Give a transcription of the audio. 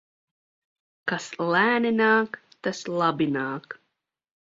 Kas lēni nāk, tas labi nāk.